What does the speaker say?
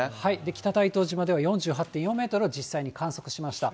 北大東島では４８．４メートルを実際に観測しました。